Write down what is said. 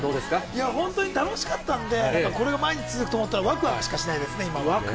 いや、本当に楽しかったんで、これが毎日続くと思ったらわくわくしかしないですね。